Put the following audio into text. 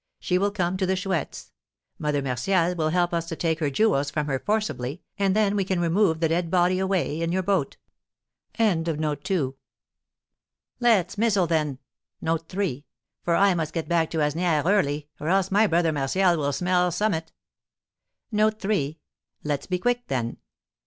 She will come to the Chouette's; Mother Martial will help us to take her jewels from her forcibly, and then we can remove the dead body away in your boat." "Let's mizzle, then; for I must get back to Asnières early, or else my brother Martial will smell summut." "Let's be quick, then."